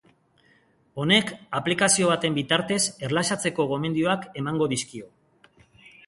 Honek, aplikazio baten bitartez erlaxatzeko gomendioak emango dizkio.